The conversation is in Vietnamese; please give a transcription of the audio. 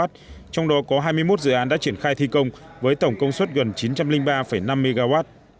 trong đó có hai mươi một dự án đã triển khai thi công với tổng công suất gần chín trăm linh ba năm mw